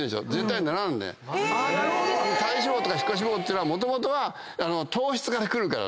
体脂肪とか皮下脂肪っていうのはもともとは糖質からくるからね。